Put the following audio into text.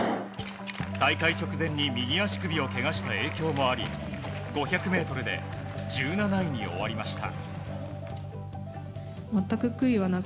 大会直前に右足首をけがした影響もあり５００ｍで１７位に終わりました。